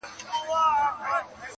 له هیواده د منتر د کسبګرو؛